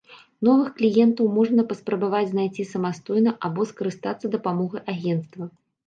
Новых кліентаў можна паспрабаваць знайсці самастойна або скарыстацца дапамогай агенцтва.